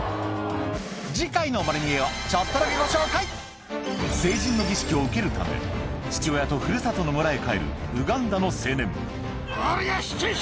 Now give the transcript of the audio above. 次回の『まる見え！』をちょっとだけご紹介成人の儀式を受けるため父親と古里の村へ帰るウガンダの青年おりゃ！